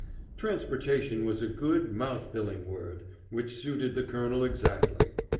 Transportation was a good, mouth filling word, which suited the colonel exactly.